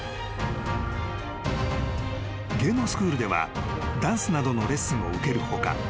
［芸能スクールではダンスなどのレッスンを受ける他］